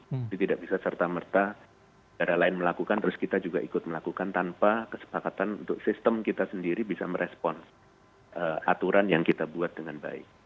jadi tidak bisa serta merta negara lain melakukan terus kita juga ikut melakukan tanpa kesepakatan untuk sistem kita sendiri bisa merespon aturan yang kita buat dengan baik